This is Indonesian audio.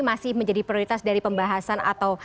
masih menjadi prioritas dari pembahasan atau